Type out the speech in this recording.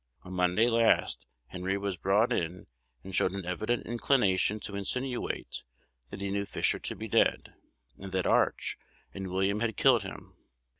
On Monday last, Henry was brought in, and showed an evident inclination to insinuate that he knew Fisher to be dead, and that Arch, and William had killed him.